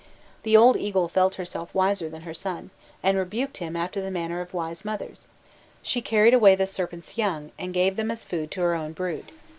The old eagle felt herself wiser than her son, and rebuked him after the manner of wise mothers: she carried away the serpent's young, and gave them as food to her own brood.